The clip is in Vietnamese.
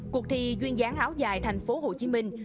cuộc thi duyên dáng áo dài thành phố hồ chí minh